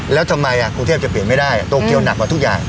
แล้วทำไมกรุงเทพจะเปลี่ยนไม่ได้โตเกียวหนักกว่าทุกอย่าง